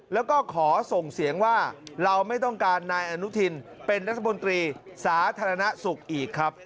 แล้วก็ขอส่งเสียงว่าเราไม่ต้องการนายอนุทินเป็นรัฐมนตรีสาธารณสุขอีกครับ